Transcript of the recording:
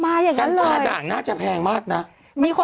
มาอย่างนั้นเลยด่างน่าจะแพงมากน่ะมีคนมาขอบอกปกติ